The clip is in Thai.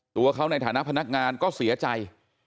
ตัวเขาในฐานะพนักงานก็เสียใจ